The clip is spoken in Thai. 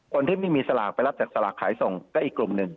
คนที่ไม่มีสลากไปรับจากสลากขายส่งก็อีกกลุ่มหนึ่ง